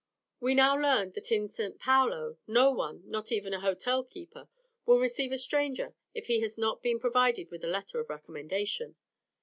We now learned that in St. Paulo no one, not even an hotel keeper, will receive a stranger if he be not provided with a letter of recommendation.